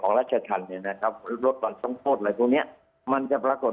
ของรัชทันเนี้ยนะครับรถตอนทรงโทษอะไรพวกเนี้ยมันจะปรากฏ